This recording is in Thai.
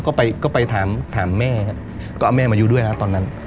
ก็ไปก็ไปถามถามแม่ก็เอาแม่มาอยู่ด้วยนะตอนนั้น